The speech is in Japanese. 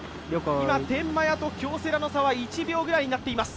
今、天満屋と京セラの差は１秒ぐらいになっています。